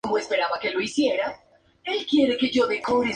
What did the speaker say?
Representó a Chile en el Congreso de Higiene de París.